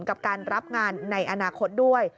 กับการรับงานในอนาคตด้วย